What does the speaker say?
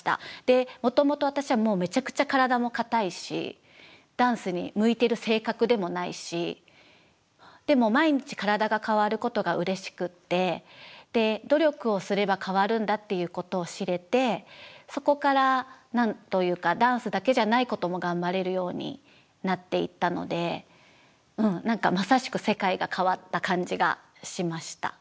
もともと私はめちゃくちゃ体も硬いしダンスに向いてる性格でもないしでも毎日体が変わることがうれしくてっていうことを知れてそこから何というかダンスだけじゃないことも頑張れるようになっていったのでうん何かまさしく感じがしました。